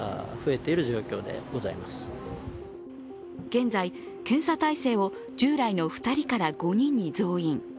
現在、検査体制を従来の２人から５人に増員。